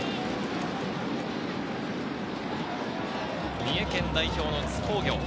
三重県代表の津工業。